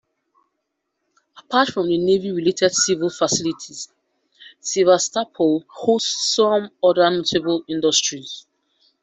Apart from navy-related civil facilities, Sevastopol hosts some other notable industries.